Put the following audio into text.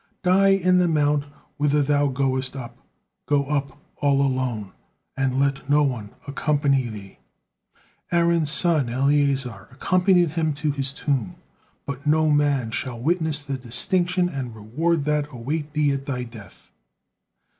'Die in the mount whither thou goest up;' go up all alone, and let no one accompany thee. Aaron's son Eleazar accompanied him to his tomb, but no man shall witness the distinction and reward that await thee at thy death.